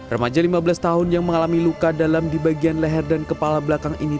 remaja lima belas tahun yang mengalami luka dalam di bagian leher dan kepala belakang ini